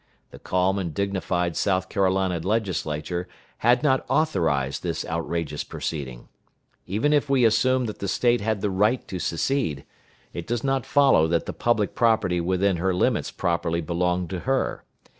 The calm and dignified South Carolina Legislature had not authorized this outrageous proceeding. Even if we assume that the State had the right to secede, it does not follow that the public property within her limits properly belonged to her.